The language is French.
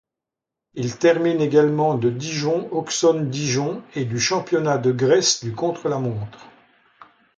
Il termine également de Dijon-Auxonne-Dijon et du championnat de Grèce du contre-la-montre.